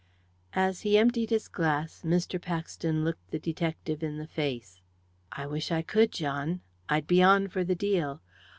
As he emptied his glass Mr. Paxton looked the detective in the face. "I wish I could, John I'd be on for the deal!